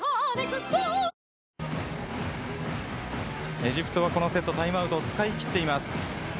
エジプトはこのセットタイムアウト使い切っています。